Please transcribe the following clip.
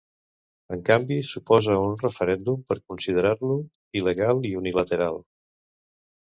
En canvi, s'oposa a un referèndum, per considerar-lo il·legal i unilateral.